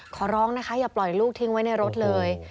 ขอร้องนะคะอย่าปล่อยลูกทิ้งไว้ในรถเลย